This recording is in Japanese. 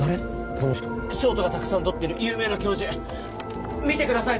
この人賞とかたくさんとってる有名な教授見てください